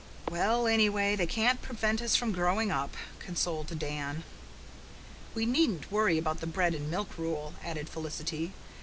"Well, anyway, they can't prevent us from growing up," consoled Dan. "We needn't worry about the bread and milk rule," added Felicity.